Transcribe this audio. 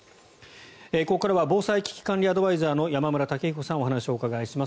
ここからは防災・危機管理アドバイザーの山村武彦さんにお話をお伺いします。